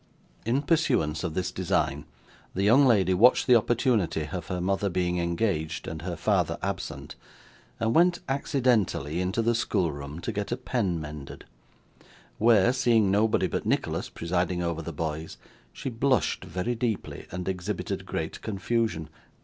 In pursuance of this design, the young lady watched the opportunity of her mother being engaged, and her father absent, and went accidentally into the schoolroom to get a pen mended: where, seeing nobody but Nicholas presiding over the boys, she blushed very deeply, and exhibited great confusion.